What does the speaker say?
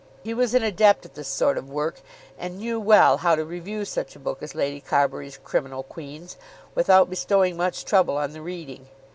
He was an adept at this sort of work, and knew well how to review such a book as Lady Carbury's "Criminal Queens," without bestowing much trouble on the reading.